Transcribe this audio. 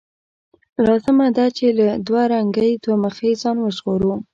لازمه ده چې له دوه رنګۍ، دوه مخۍ ځان وژغورو.